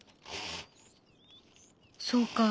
そうか。